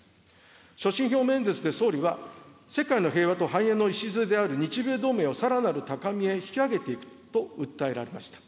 所信表明演説で総理は、世界の平和と繁栄の礎である日米同盟をさらなる高みへ引き上げていくと訴えられました。